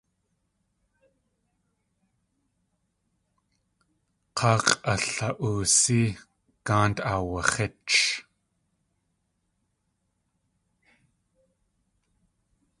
K̲aa x̲ʼala.oosí, gáant aawax̲ích.